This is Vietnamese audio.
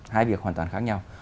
hai việc hoàn toàn khác nhau